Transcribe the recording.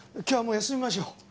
今日はもう休みましょう。